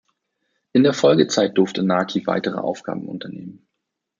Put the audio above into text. In der Folgezeit durfte Naki weitere Aufgaben unternehmen.